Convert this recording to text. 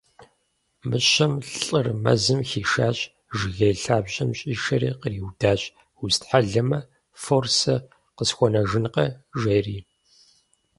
Мыщэм лӀыр мэзым хишащ, жыгей лъабжьэм щӀишэри къриудащ: - Устхьэлэмэ, фор сэ къысхуэнэжынкъэ, жери.